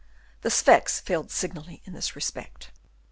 The Sphex failed signally in this respect.